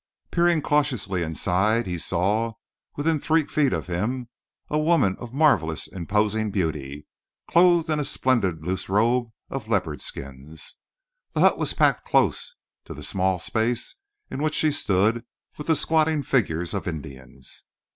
Peering cautiously inside, he saw, within three feet of him, a woman of marvellous, imposing beauty, clothed in a splendid loose robe of leopard skins. The hut was packed close to the small space in which she stood with the squatting figures of Indians.